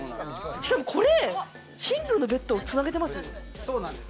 これシングルのベッドをつなげてます？